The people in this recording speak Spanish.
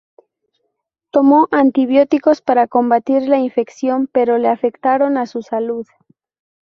Tomó antibióticos para combatir la infección pero le afectaron a su salud.